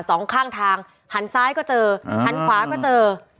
สองข้างทางหันซ้ายก็เจอหันขวาก็เจอ